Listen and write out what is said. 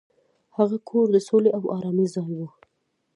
هغه کور د سولې او ارامۍ ځای و.